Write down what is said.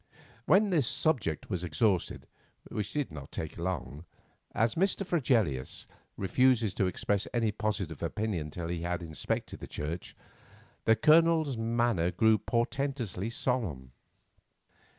When this subject was exhausted, which did not take long, as Mr. Fregelius refused to express any positive opinion until he had inspected the church, the Colonel's manner grew portentously solemn.